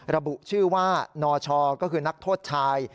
ระบุชื่อว่านชก็คือนักโทษชาย